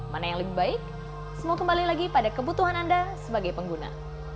mana yang lebih baik semoga kembali lagi pada kebutuhan anda sebagai pengguna